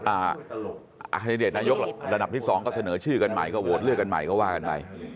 อาคารดิเดตนายกระดับที่สองก็เสนอชื่อกันใหม่ก็โหวตเลือกกันใหม่ก็ว่ากันไป